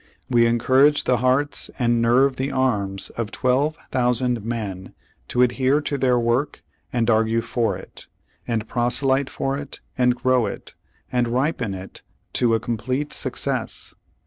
We encourage the hearts and nerve the arms of twelve thousand men to adhere to their work and argue for it, and proselyte for it, and grow it, and ripen it to a complete success.